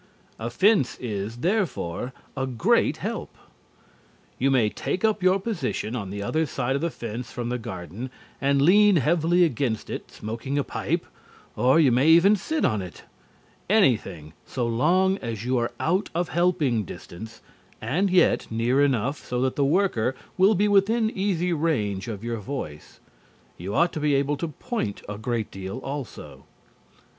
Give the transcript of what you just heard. A fence is, therefore, a great help. You may take up your position on the other side of the fence from the garden and lean heavily against it smoking a pipe, or you may even sit on it. Anything so long as you are out of helping distance and yet near enough so that the worker will be within easy range of your voice. You ought to be able to point a great deal, also.